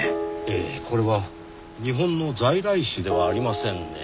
ええこれは日本の在来種ではありませんね。